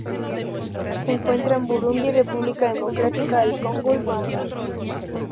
Se encuentra en Burundi, República Democrática del Congo y Ruanda.